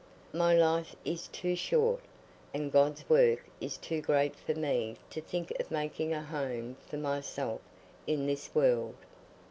My life is too short, and God's work is too great for me to think of making a home for myself in this world.